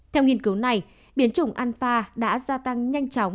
theo nghiên cứu này biến chủng alpha đã gia tăng nhanh chóng